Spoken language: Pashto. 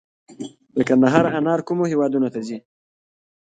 د کندهار انار کومو هیوادونو ته ځي؟